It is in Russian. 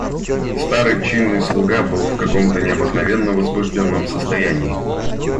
Старый чинный слуга был в каком-то необыкновенно возбужденном состоянии.